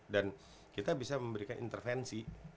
dan kita bisa memberikan intervensi